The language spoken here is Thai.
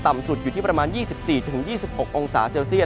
สุดอยู่ที่ประมาณ๒๔๒๖องศาเซลเซียต